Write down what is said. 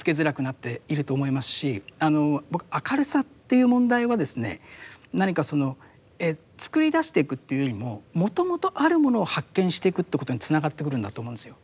僕明るさっていう問題はですね何か作り出していくっていうよりももともとあるものを発見していくということにつながってくるんだと思うんですよ。